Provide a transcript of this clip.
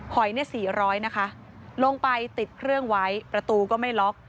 หอยเนี่ย๔๐๐นะคะลงไปติดเครื่องไว้ประตูก็ไม่ล็อก